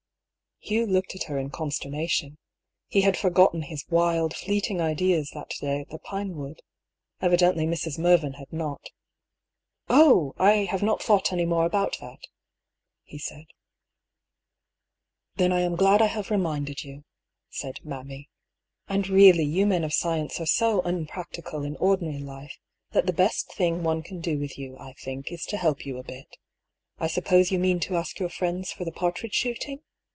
Hugh looked at her in consternation. He had for gotten his wild, fleeting ideas that day at the Pinewood. Evidently Mrs. Mervyn had not. " Oh ! I have not thought any more about that," he said. "Then I am glad I have reminded you," said " mammy." " And really you men of science are so un practical in ordinary life, that the best thing one can do with you, I think, is to help you a bit. I suppose you mean to ask your friends for the partridge shooting?